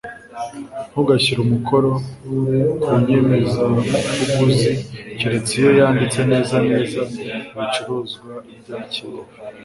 ntugashyire umukono ku nyemezabuguzi keretse iyo yanditse neza neza ibicuruzwa byakiriwe